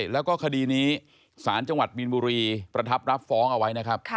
แล้วก็คดีนี้ศาลจังหวัดมีนบุรีประทับรับฟ้องเอาไว้นะครับ